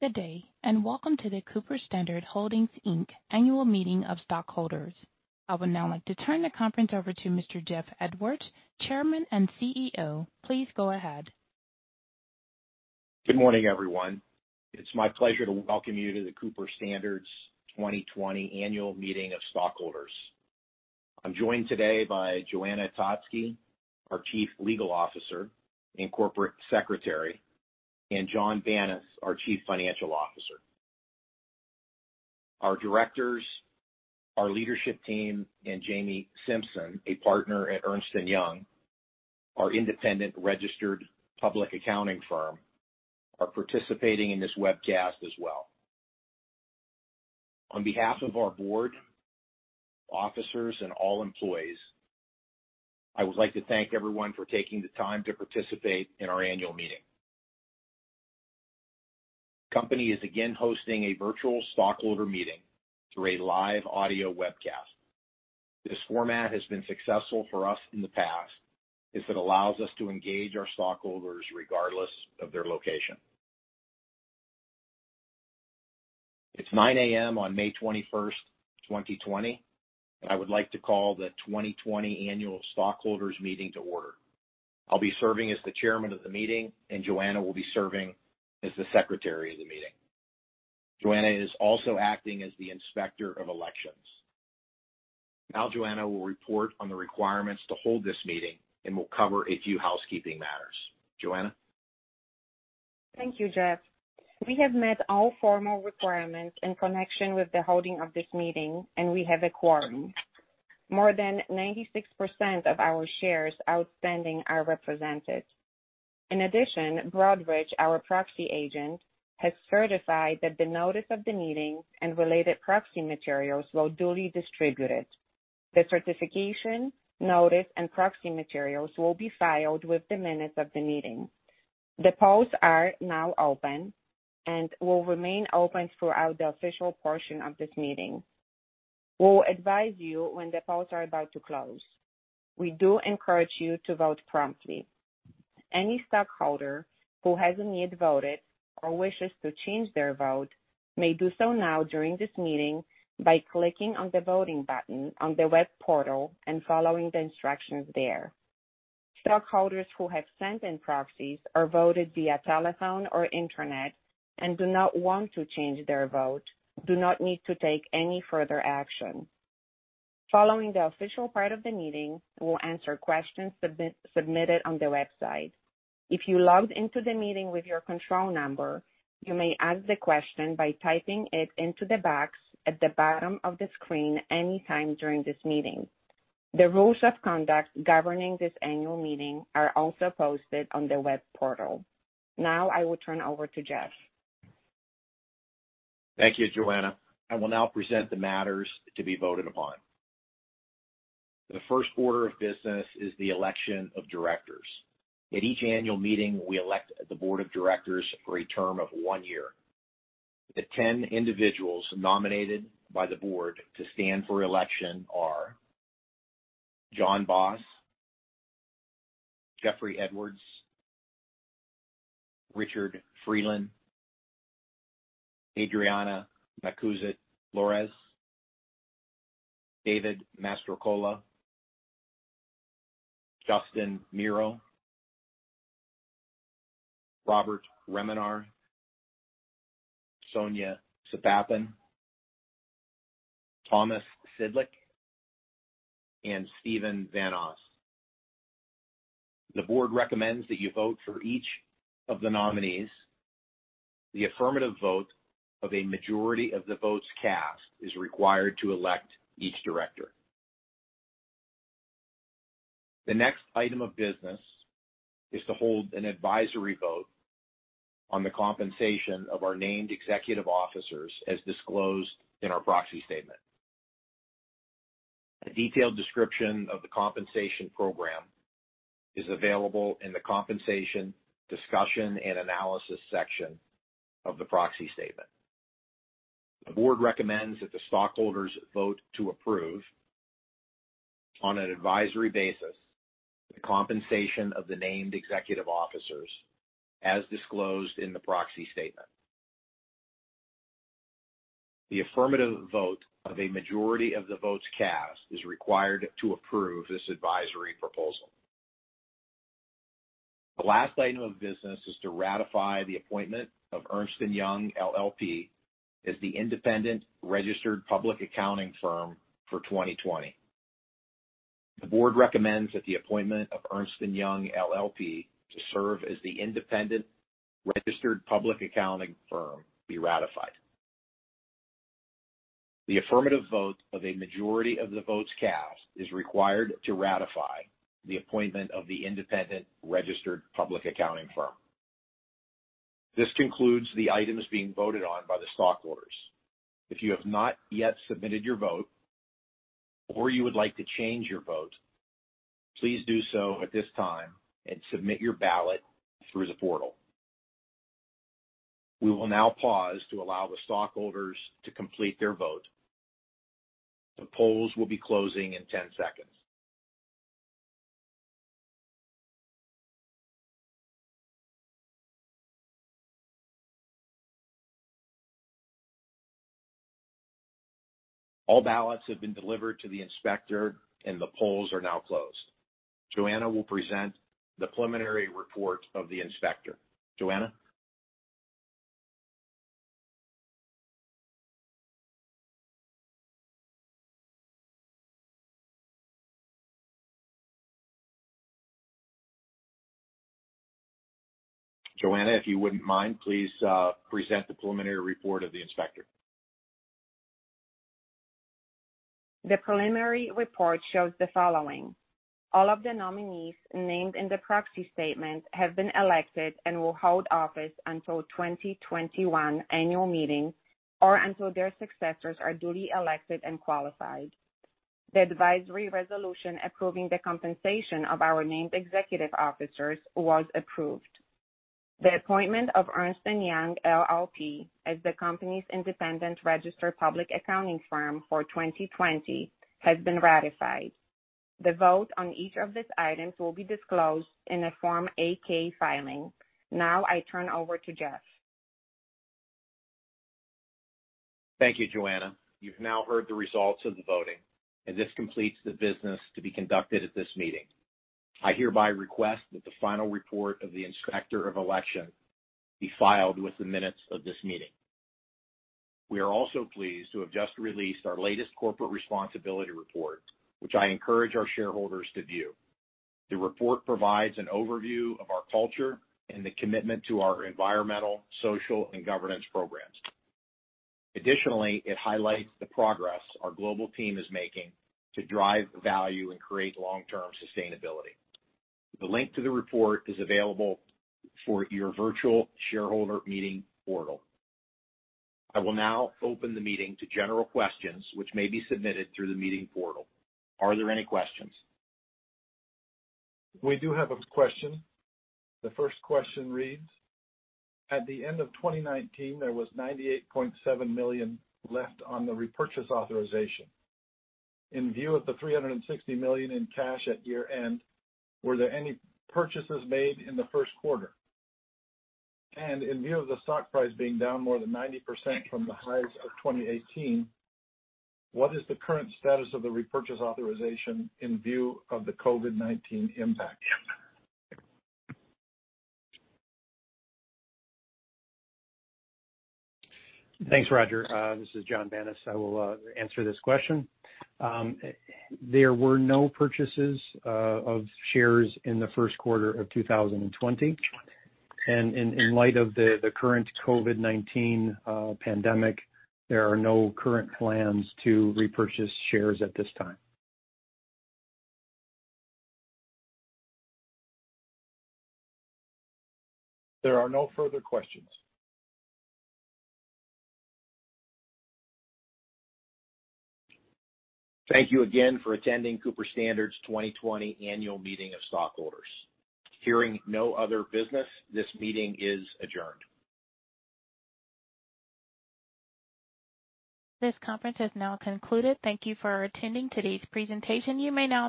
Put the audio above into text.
Good day, and welcome to the Cooper-Standard Holdings, Inc. Annual Meeting of Stockholders. I would now like to turn the conference over to Mr. Jeff Edwards, Chairman and CEO. Please go ahead. Good morning, everyone. It's my pleasure to welcome you to the Cooper-Standard's 2020 Annual Meeting of Stockholders. I'm joined today by Joanna Totsky, our Chief Legal Officer and Corporate Secretary, and Jonathan Banas, our Chief Financial Officer. Our directors, our leadership team, and Jamie Simpson, a partner at Ernst & Young, our independent registered public accounting firm, are participating in this webcast as well. On behalf of our board, officers, and all employees, I would like to thank everyone for taking the time to participate in our annual meeting. The Company is again hosting a virtual stockholder meeting through a live audio webcast. This format has been successful for us in the past as it allows us to engage our stockholders regardless of their location. It's 9:00 A.M. on May 21st, 2020. I would like to call the 2020 Annual Stockholders Meeting to order. I'll be serving as the Chairman of the meeting, and Joanna will be serving as the Secretary of the meeting. Joanna is also acting as the Inspector of Elections. Now Joanna will report on the requirements to hold this meeting and will cover a few housekeeping matters. Joanna? Thank you, Jeff. We have met all formal requirements in connection with the holding of this meeting, and we have a quorum. More than 96% of our shares outstanding are represented. In addition, Broadridge, our proxy agent, has certified that the notice of the meeting and related proxy materials were duly distributed. The certification, notice, and proxy materials will be filed with the minutes of the meeting. The polls are now open and will remain open throughout the official portion of this meeting. We'll advise you when the polls are about to close. We do encourage you to vote promptly. Any stockholder who hasn't yet voted or wishes to change their vote may do so now during this meeting by clicking on the voting button on the web portal and following the instructions there. Stockholders who have sent in proxies or voted via telephone or internet and do not want to change their vote do not need to take any further action. Following the official part of the meeting, we'll answer questions submitted on the website. If you logged into the meeting with your control number, you may ask the question by typing it into the box at the bottom of the screen anytime during this meeting. The rules of conduct governing this annual meeting are also posted on the web portal. Now I will turn it over to Jeff. Thank you, Joanna. I will now present the matters to be voted upon. The first order of business is the election of directors. At each annual meeting, we elect the board of directors for a term of one year. The 10 individuals nominated by the board to stand for election are John Boss, Jeffrey Edwards, Richard Freeland, Adriana Macouzet-Flores, David Mastrocola, Justin Mirro, Robert Remenar, Sonya Sepahban, Thomas Sidlik, and Stephen Van Oss. The board recommends that you vote for each of the nominees. The affirmative vote of a majority of the votes cast is required to elect each director. The next item of business is to hold an advisory vote on the compensation of our named executive officers as disclosed in our proxy statement. A detailed description of the compensation program is available in the compensation discussion and analysis section of the proxy statement. The board recommends that the stockholders vote to approve on an advisory basis the compensation of the named executive officers as disclosed in the proxy statement. The affirmative vote of a majority of the votes cast is required to approve this advisory proposal. The last item of business is to ratify the appointment of Ernst & Young LLP as the independent registered public accounting firm for 2020. The board recommends that the appointment of Ernst & Young LLP to serve as the independent registered public accounting firm be ratified. The affirmative vote of a majority of the votes cast is required to ratify the appointment of the independent registered public accounting firm. This concludes the items being voted on by the stockholders. If you have not yet submitted your vote or you would like to change your vote, please do so at this time and submit your ballot through the portal. We will now pause to allow the stockholders to complete their vote. The polls will be closing in 10 seconds. All ballots have been delivered to the inspector, and the polls are now closed. Joanna will present the preliminary report of the inspector. Joanna? Joanna, if you wouldn't mind, please present the preliminary report of the inspector. The preliminary report shows the following: All of the nominees named in the proxy statement have been elected and will hold office until 2021 annual meeting or until their successors are duly elected and qualified. The advisory resolution approving the compensation of our named executive officers was approved. The appointment of Ernst & Young LLP as the company's independent registered public accounting firm for 2020 has been ratified. The vote on each of these items will be disclosed in a Form 8-K filing. Now I turn it over to Jeff. Thank you, Joanna. You've now heard the results of the voting. This completes the business to be conducted at this meeting. I hereby request that the final report of the Inspector of Election be filed with the minutes of this meeting. We are also pleased to have just released our latest Corporate Responsibility Report, which I encourage our shareholders to view. The report provides an overview of our culture and the commitment to our Environmental, Social, and Governance programs. It highlights the progress our global team is making to drive value and create long-term sustainability. The link to the report is available for your virtual shareholder meeting portal. I will now open the meeting to general questions which may be submitted through the meeting portal. Are there any questions? We do have a question. The first question reads, "At the end of 2019, there was $98.7 million left on the repurchase authorization. In view of the $360 million in cash at year-end, were there any purchases made in the first quarter? In view of the stock price being down more than 90% from the highs of 2018, what is the current status of the repurchase authorization in view of the COVID-19 impact?" Thanks, Roger. This is Jonathan Banas. I will answer this question. There were no purchases of shares in the first quarter of 2020. In light of the current COVID-19 pandemic, there are no current plans to repurchase shares at this time. There are no further questions. Thank you again for attending Cooper-Standard's 2020 Annual Meeting of Stockholders. Hearing no other business, this meeting is adjourned. This conference has now concluded. Thank you for attending today's presentation. You may now.